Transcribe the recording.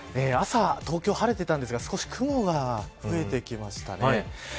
朝、東京、晴れてたんですが少し雲が増えてきましたね。